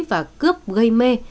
và cướp gây mê